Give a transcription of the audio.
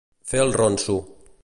Fer el ronso.